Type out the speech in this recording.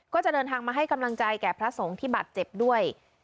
ก็จะเดินทางมาให้กำลังใจแก่พระสงฆ์ที่บาดเจ็บด้วย